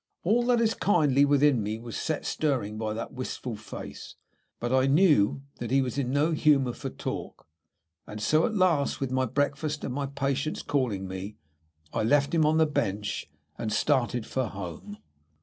All that is kindly within me was set stirring by that wistful face, but I knew that he was in no humour for talk, and so, at last, with my breakfast and my patients calling me, I left him on the bench and started for home.